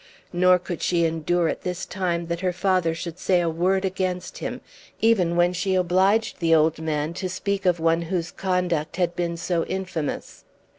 Nor could she endure at this time that her father should say a word against him, even when she obliged the old man to speak of one whose conduct had been so infamous.